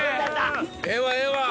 ええわええわ！